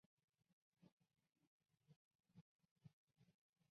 主任苏智良教授及其团队